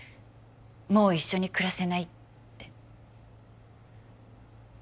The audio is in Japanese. もう一緒に暮らせないって